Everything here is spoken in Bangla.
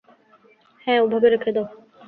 হ্যাঁ, ওভাবে রেখে দাও।